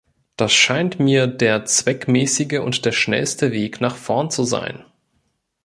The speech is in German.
Das scheint mir der zweckmäßige und schnellste Weg nach vorn zu sein.